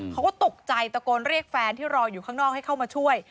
เขาก็ตกใจตะโกนเรียกแฟนที่รออยู่ข้างนอกให้เข้ามาช่วย